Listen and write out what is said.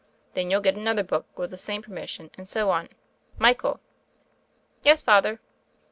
Then you'll get another book with the same permission and so on. Michael!" "Yes, Father."